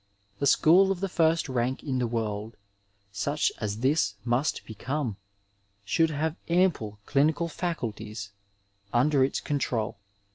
A school of the first rank in the world, such as this must become, should have ample clinical faculties under its own control.